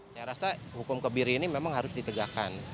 saya rasa hukum kebiri ini memang harus ditegakkan